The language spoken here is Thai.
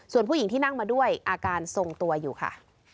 ส่วนผู้หญิงที่นั่งมาด้วยอาการทรงตัวอยู่ค่ะ